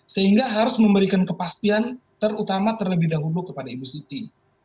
sehingga harus memberikan kepastian terutama terlebih dahulu kepada ibu siti